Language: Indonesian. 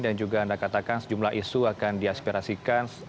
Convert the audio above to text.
dan juga anda katakan sejumlah isu akan diaspirasikan